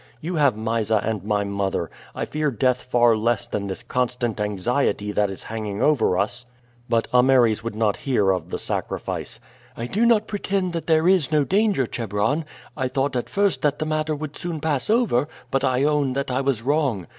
You have Mysa and my mother. I fear death far less than this constant anxiety that is hanging over us." But Ameres would not hear of the sacrifice. "I do not pretend that there is no danger, Chebron. I thought at first that the matter would soon pass over, but I own that I was wrong.